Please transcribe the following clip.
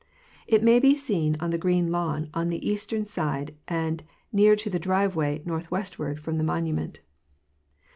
It may be seen on the green lawn on the eastern side of and near to the driveway west northwest from the Monument.